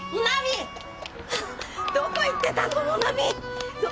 どこ行ってたの？もなみ！